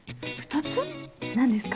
何ですか？